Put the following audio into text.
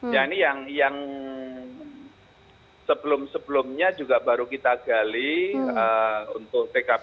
ya ini yang sebelum sebelumnya juga baru kita gali untuk tkp